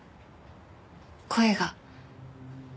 声が。